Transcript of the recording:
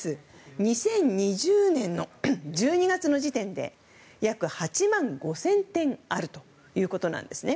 ２０２０年の１２月の時点で約８万５０００点あるということなんです。